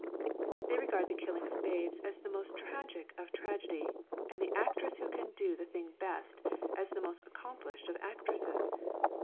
They regard the killing of babes as the most tragic of tragedy, and the actress who can do the thing best, as the most accomplished of actresses.